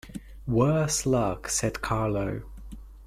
"Worse luck," said Carlo.